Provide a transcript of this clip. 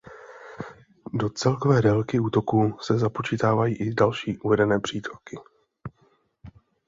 Do celkové délky útoku se započítávají i další uvedené přítoky.